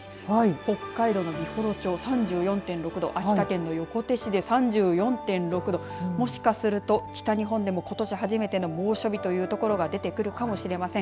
北海道の美幌町３４．６度秋田県の横手市で３４．６度もしかすると北日本でも初めての猛暑日という所が出てくるかもしれません。